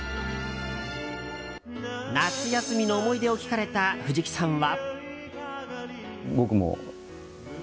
夏休みの思い出を聞かれた藤木さんは。